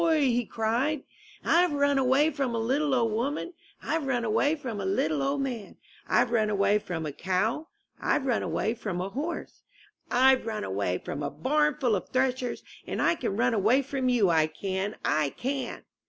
O ho!" he cried, 'Tve run away from a little old woman, I've run away from a little old man, Tve run away from a cow, Tve run away from a horse, Fve run away from a barn full of threshers. And I can run away from you, I can! I can!"